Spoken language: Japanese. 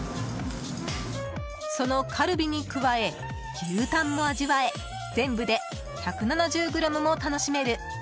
そのカルビに加え牛タンも味わえ全部で１７０ｇも楽しめる